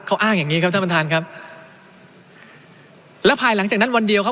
เขาอ้างอย่างงี้ครับท่านประธานครับแล้วภายหลังจากนั้นวันเดียวครับ